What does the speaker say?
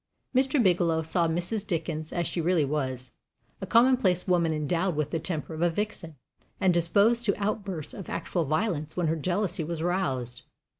Mr. Bigelow saw Mrs. Dickens as she really was a commonplace woman endowed with the temper of a vixen, and disposed to outbursts of actual violence when her jealousy was roused.